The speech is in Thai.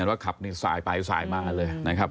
ว่าขับนี่สายไปสายมาเลยนะครับ